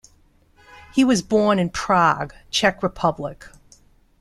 He was born in Prague, Czech Republic.